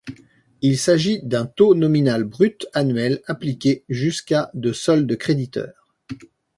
Il s'agit d'un taux nominal brut annuel appliqué jusqu'à de solde créditeur.